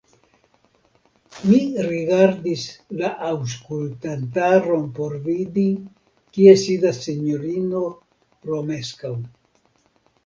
Mi rigardis la aŭskultantaron por vidi, kie sidas sinjorino Romeskaŭ.